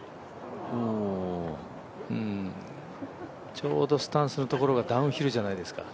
ちょうどスタンスのところがダウンヒルじゃないですか。